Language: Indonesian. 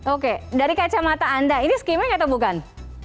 oke dari kacamata anda ini skimming atau bukan